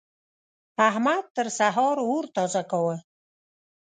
احمد تر سهار اور تازه کاوو.